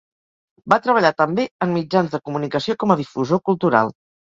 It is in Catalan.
Va treballar també en mitjans de comunicació com a difusor cultural.